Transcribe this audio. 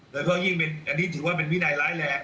และก็ยิ่งอันนี้เป็นวินัยร้ายแรง